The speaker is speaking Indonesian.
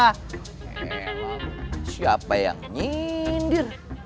hei siapa yang nyindir